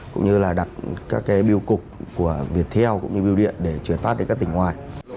cũng như là đặt các cái biêu cục của việt theo cũng như biêu điện để truyền phát đến các tỉnh ngoài